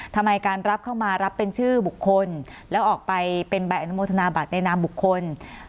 ทำไมการรับเข้ามารับเป็นชื่อบุคคลแล้วออกไปเป็นใบอนุโมทนาบัตรในนามบุคคล